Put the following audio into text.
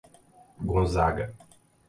Gonzaga